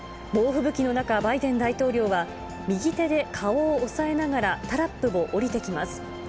猛吹雪の中、バイデン大統領は、右手で顔を押さえながら、タラップを降りてきます。